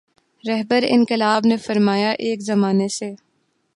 رہبرانقلاب نے فرمایا ایک زمانے میں